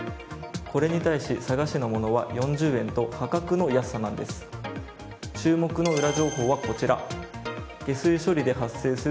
これに対し佐賀市のものは４０円と破格の安さなんです。